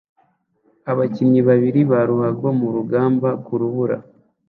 Abakinnyi babiri ba ruhago murugamba kurubura